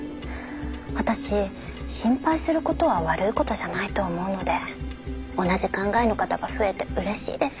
私心配する事は悪い事じゃないと思うので同じ考えの方が増えて嬉しいです。